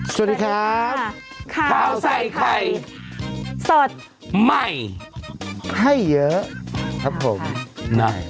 สวัสดีครับข้าวใส่ไข่สดใหม่ให้เยอะครับผมหน่อย